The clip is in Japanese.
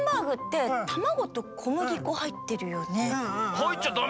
はいっちゃダメなの？